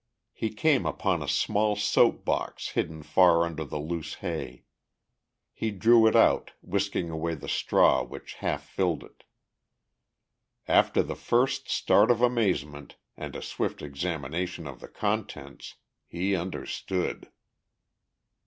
He came upon a small soap box hidden far under the loose hay. He drew it out, whisking away the straw which half filled it. After the first start of amazement and a swift examination of the contents, he understood.